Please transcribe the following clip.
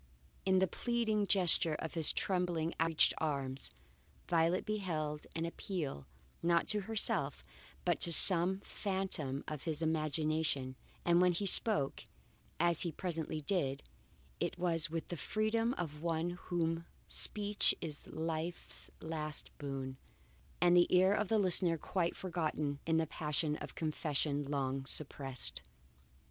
In the pleading gesture of his trembling, outreaching arms, Violet beheld an appeal, not to herself, but to some phantom of his imagination; and when he spoke, as he presently did, it was with the freedom of one to whom speech is life's last boon, and the ear of the listener quite forgotten in the passion of confession long suppressed.